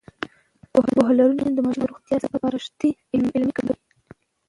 پوهه لرونکې میندې د ماشومانو د روغتیا سپارښتنې عملي کوي.